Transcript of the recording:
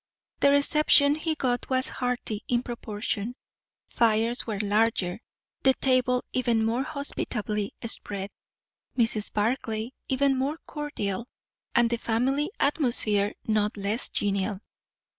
The reception he got was hearty in proportion; fires were larger, the table even more hospitably spread; Mrs. Barclay even more cordial, and the family atmosphere not less genial.